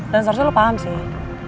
dan seharusnya lo paham sih